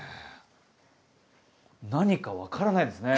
何か分からないですね